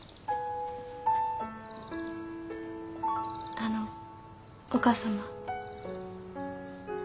あのお母様。